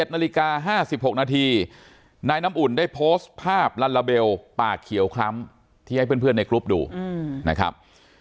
๑นาฬิกา๕๖นาทีนายน้ำอุ่นได้โพสต์ภาพลัลลาเบลปากเขียวคล้ำที่ให้เพื่อนในกรุ๊ปดูนะครับ